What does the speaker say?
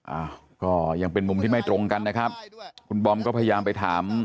อ่าก็ยังเป็นมุมที่ไม่ตรงกันนะครับคุณบอมก็พยายามไปถาม